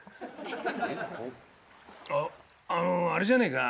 あっあのあれじゃねえか？